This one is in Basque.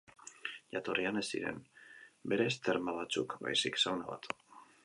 Jatorrian, ez ziren berez terma batzuk, baizik sauna bat.